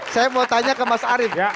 saya mau tanya ke mas arief ya